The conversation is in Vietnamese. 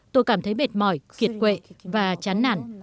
tôi cảm thấy mệt mỏi kiệt quệ và chán nản